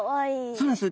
そうなんです。